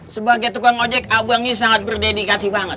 sebagai tukang ojek abeng ini sangat berdedikasi banget